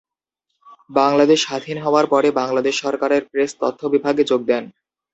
বাংলাদেশ স্বাধীন হওয়ার পরে বাংলাদেশ সরকারের প্রেস তথ্য বিভাগে যোগ দেন।